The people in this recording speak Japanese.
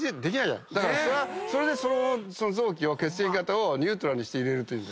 それでその臓器を血液型をニュートラルにして入れるというんで。